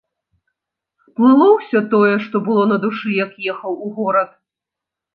Сплыло ўсё тое, што было на душы, як ехаў у горад.